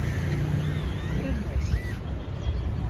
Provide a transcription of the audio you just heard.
Ffren-as.